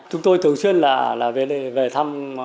chúng tôi thường xuyên là về thăm